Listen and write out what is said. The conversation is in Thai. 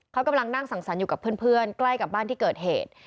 เขากำลังนั่งสังสรรค์อยู่กับเพื่อนใกล้กับบ้านที่เกิดเหตุ